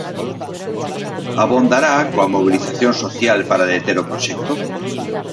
Abondará coa mobilización social para deter o proxecto?